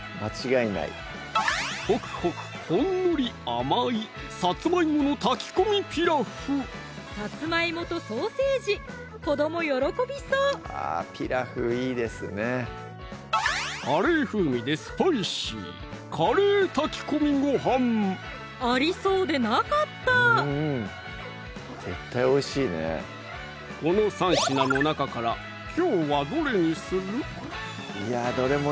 ほくほくほんのり甘いさつまいもとソーセージ子ども喜びそうカレー風味でスパイシーありそうでなかったこの３品の中からきょうはどれにする？